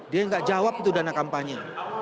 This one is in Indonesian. dia nggak jawab itu dana kampanye